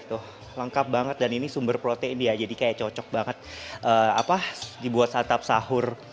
tuh lengkap banget dan ini sumber protein ya jadi kayak cocok banget dibuat satap sahur